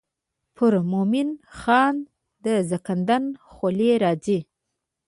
پر مومن خان د زکندن خولې راځي.